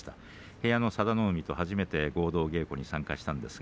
部屋の佐田の海と初めて合同稽古に参加しました。